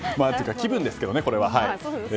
気分ですけどね、これは。